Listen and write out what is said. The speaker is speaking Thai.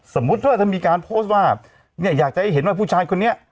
สมมุติว่าถ้ามีการโพสต์ว่าเนี่ยอยากจะให้เห็นว่าผู้ชายคนนี้